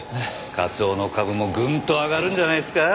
課長の株もぐんと上がるんじゃないですか？